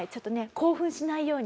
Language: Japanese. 興奮しないように。